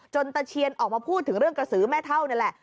ตะเคียนออกมาพูดถึงเรื่องกระสือแม่เท่านั่นแหละ